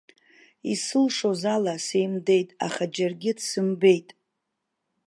Исылшоз ала сеимдеит, аха џьаргьы дсымбеит.